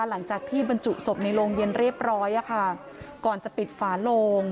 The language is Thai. หลังจากที่บรรจุศพในโรงเย็นเรียบร้อยอะค่ะก่อนจะปิดฝาโลง